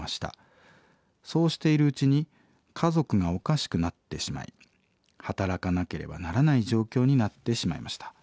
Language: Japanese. そうしているうちに家族がおかしくなってしまい働かなければならない状況になってしまいました。